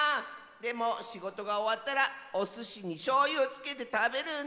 でもしごとがおわったらおすしにしょうゆをつけてたべるんだ！